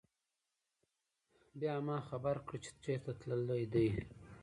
بيا ما خبر کړه چې چرته تلل دي